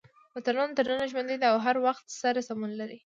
متلونه تر ننه ژوندي دي او د هر وخت سره سمون لري